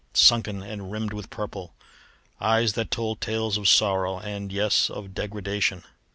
sunken and rimmed with purple; eyes that told tales of sorrow and, yes! of degradation.